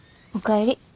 お帰り。